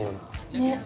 ねっ。